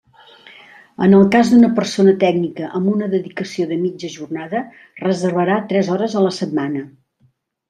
En el cas d'una persona tècnica amb una dedicació de mitja jornada reservarà tres hores a la setmana.